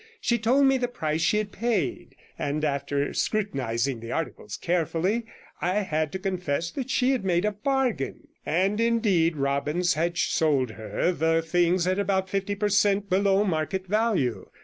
She told me the price she had paid; and after scrutinizing the articles carefully, I had to confess that she had made a bargain, and indeed Robbins had sold her the things at about fifty per cent below market value.